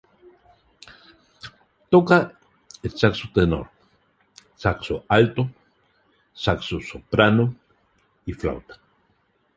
Toca el saxo tenor, saxo alto, saxo soprano y flauta.